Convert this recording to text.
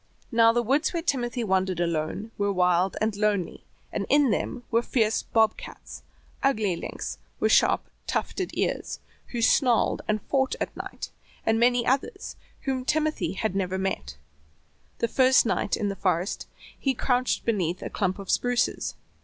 Now the woods where Timothy wandered alone were wild and lonely, and in them were fierce "Bob Cats," ugly lynx with sharp, tufted ears, who snarled and fought at night, and many others whom Timothy had never met. The first night in the forest he crouched beneath a clump of spruces.